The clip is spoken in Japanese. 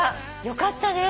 よかったね。